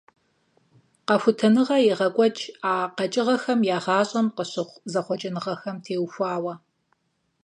Къэхутэныгъэ егъэкӀуэкӀ а къэкӀыгъэхэм я гъащӀэм къыщыхъу зэхъуэкӀыныгъэхэм теухуауэ.